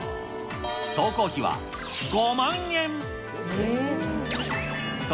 総工費は５万円。